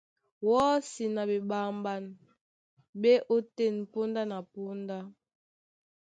Wɔ́si na ɓeɓamɓan ɓá e ótên póndá na póndá.